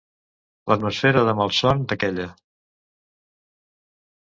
L'atmosfera de malson d'aquella